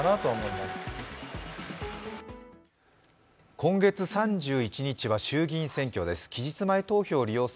今月３１日は衆議院選挙です。